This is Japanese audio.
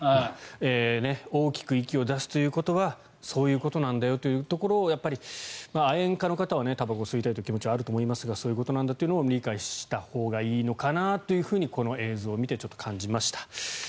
大きく息を出すということはそういうことなんだよというところを愛煙家の方はたばこを吸いたいという気持ちはあると思いますがそういうことなんだということを理解したほうがいいのかなというふうにこの映像を見て感じました。